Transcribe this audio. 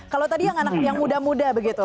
kalau tadi yang muda muda begitu